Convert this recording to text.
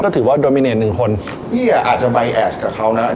ก็ถือว่าหนึ่งคนพี่อ่ะอาจจะไปแอดกับเขานะ